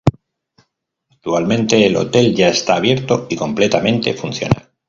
Actualmente el hotel ya está abierto y completamente funcional.